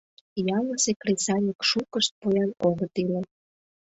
Ялысе кресаньык шукышт поян огыт иле.